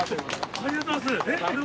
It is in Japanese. ありがとうございます！